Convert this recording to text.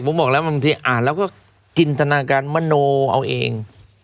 ผมบอกแล้วบางทีอ่านแล้วก็จินตนาการมโนเอาเอง